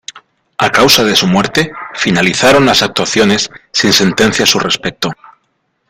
A causa de su muerte, finalizaron las actuaciones sin sentencia a su respecto.